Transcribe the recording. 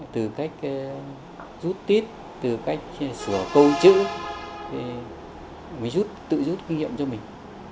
từ cách rút tít từ cách sửa câu chữ thì mình tự rút kinh nghiệm cho mình